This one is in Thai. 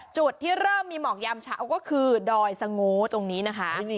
จุดที่เริ่มมีหมอกยามเช้าก็คือดอยสโง่ตรงนี้นะคะ